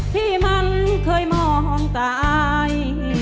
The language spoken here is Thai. ที่มันเคยมองตาย